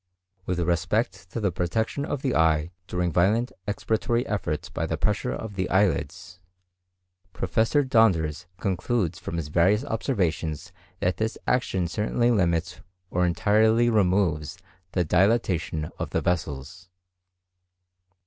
With respect to the protection of the eye during violent expiratory efforts by the pressure of the eyelids, Professor Donders concludes from his various observations that this action certainly limits or entirely removes the dilatation of the vessels.